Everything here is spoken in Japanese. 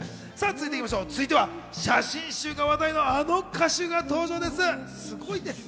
続いては写真集が話題のあの歌手が登場です。